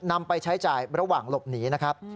นำไปใช้จ่ายระหว่างหลบหนีนะครับ